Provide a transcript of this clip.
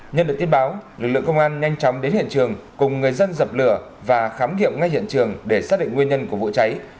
nhân được tin báo lực lượng công an nhanh chóng đến hiện trường cùng người dân dập lửa và khám nghiệm ngay hiện trường để xác định nguyên nhân của vụ cháy